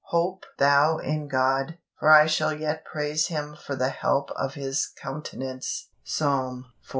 Hope thou in God: for I shall yet praise Him for the help of His countenance" (Psalm xlii.